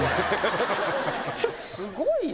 すごいな。